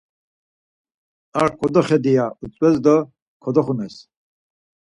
Ar kodoxedi ya utzves do kodoxunes.